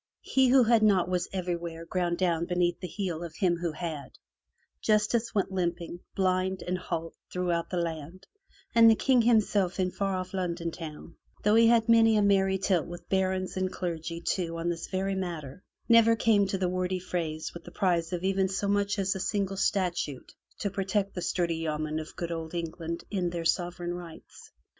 He who had naught was everywhere ground down beneath the heel of him who had; Justice went limping, blind, and halt, throughout the land, and the King himself in far off London town, though he had many a merry tilt with barons and clergy too on this very matter, never came off from the wordy frays with the prize of even so much as a single statute to protect the sturdy yeomen of good old England in their sovereign rights.